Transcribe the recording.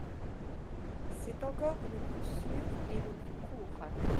C'est encore le plus sûr et le plus court.